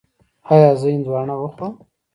ایا زه هندواڼه وخورم؟